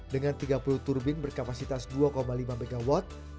dengan tiga puluh turbin berkapasitas dua lima mw